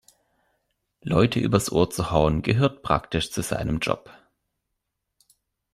Leute übers Ohr zu hauen, gehört praktisch zu seinem Job.